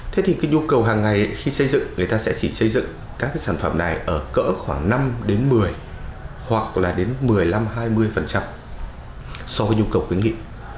thế thì cái nhu cầu hàng ngày khi xây dựng người ta sẽ chỉ xây dựng các sản phẩm này ở cỡ khoảng năm đến một mươi hoặc là đến một mươi năm hai mươi so với nhu cầu khuyến nghị